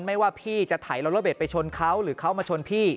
ไม่ว่าพี่จะไถแล้วรถเบ็ดไปชนเขาหรือเขามาชนพี่